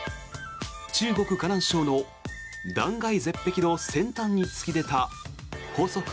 中国・河南省の断崖絶壁の先端に突き出た細く